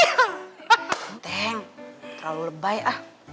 kan terlalu lebay ah